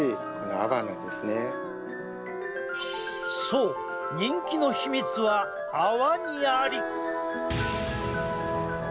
そう、人気の秘密は泡にあり！